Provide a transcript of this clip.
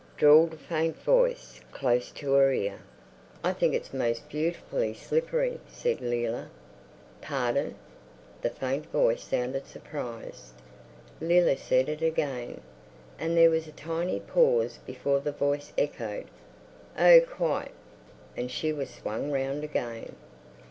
drawled a faint voice close to her ear. "I think it's most beautifully slippery," said Leila. "Pardon!" The faint voice sounded surprised. Leila said it again. And there was a tiny pause before the voice echoed, "Oh, quite!" and she was swung round again.